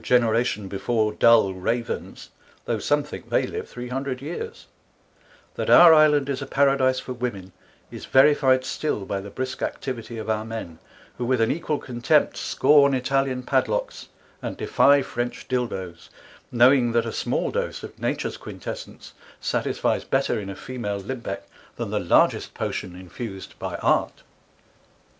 2>> Generation before dull Ravens, though some think they live three hundred years: That our Island is a Paradise for Women, is verified still by the brisk Activity of our Men, who with an equal Contempt scorn Italian Padlocks, and defie French Dildo's, knowing that a ┬Ā┬Ā┬Ā┬Ā┬Ā┬Ā 2 5 small Doze of Natures Quintessence, satisfies better in a Female Limbeck, than the largest Potion infused by Art.